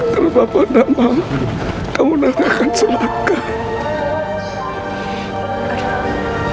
kalau bapak tak mau kamu tak akan silakan